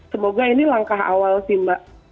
semoga ini langkah awal sih mbak